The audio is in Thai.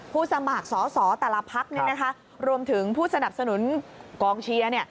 สมัครสอสอแต่ละพักรวมถึงผู้สนับสนุนกองเชียร์